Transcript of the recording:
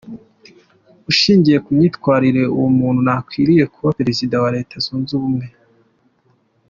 Ushingiye ku myitwaririre, uwo muntu ntakwiriye kuba Perezida wa Leta Zunze Ubumwe.